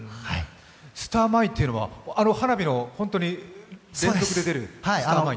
「スターマイン」というのは、花火の連続で出るスターマイン？